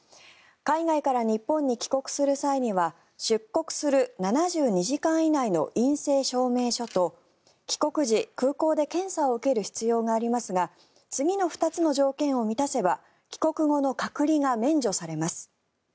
海外から日本に帰国する際には出国する７２時間以内の陰性証明書と帰国時、空港で検査を受ける必要がありますが次の２つの条件を満たせば帰国後の隔離が免除されます。